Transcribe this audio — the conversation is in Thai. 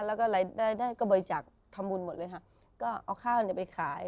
แล้วก็ได้กระบอยจากทำบุญหมดเลยค่ะก็เอาข้าวเนี่ยไปขาย